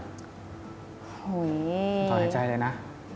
ด่วนหาใจเลยนะ